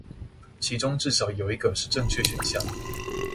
其中至少有一個是正確選項